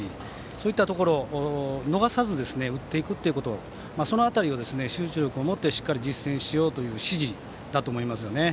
そういったところを逃さず打っていくという、その辺りを集中力を持ってしっかり実践しようという指示だと思いますね。